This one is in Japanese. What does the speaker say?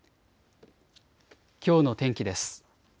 きょうの天気です。